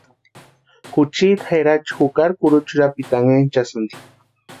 Juchiti Jerachi jukari kurucha urapiti anhinchasïnti.